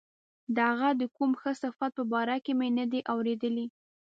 د هغه د کوم ښه صفت په باره کې مې نه دي اوریدلي.